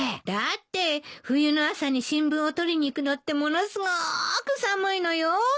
だって冬の朝に新聞を取りに行くのってものすごく寒いのよ。